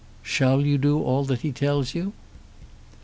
"Shall you do all that he tells you?"